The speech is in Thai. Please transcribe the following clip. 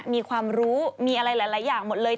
มีความรู้มีอะไรหลายอย่างหมดเลย